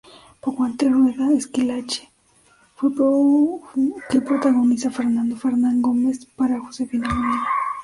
Poco antes rueda "Esquilache", que protagoniza Fernando Fernán Gómez para Josefina Molina.